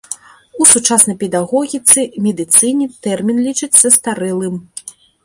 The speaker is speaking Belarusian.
У сучаснай педагогіцы і медыцыне тэрмін лічаць састарэлым.